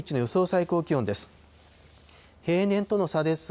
最高気温です。